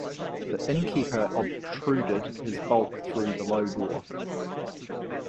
The innkeeper obtruded his bulk through the low door.